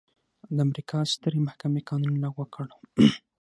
د امریکا سترې محکمې قانون لغوه کړ.